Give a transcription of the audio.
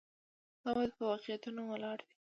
دا باید په واقعیتونو ولاړ وي.